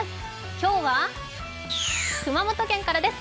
今日は熊本県からです。